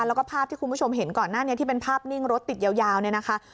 แล้วก็ภาพที่คุณผู้ชมเห็นก่อนหน้านี้ที่เป็นภาพนิ่งรถติดยาวเนี่ยนะคะ